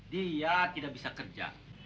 dia tidak bisa kerja